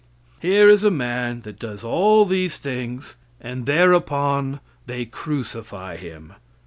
Here is a man that does all these things, and thereupon they crucify Him.